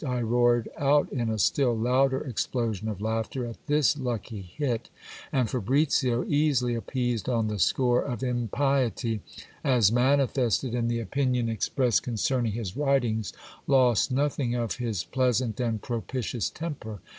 " I roared out in a still louder explosion of laughter at this lucky hit ; and Fabricio, easily appeased on the score of impiety, as manifested in the opinion expressed concerning his writings, lost nothing of his pleasant and propitious temper.